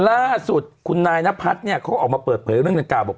ล่าสุดคุณนายนพัฒน์เนี่ยเขาออกมาเปิดเผยเรื่องดังกล่าบอก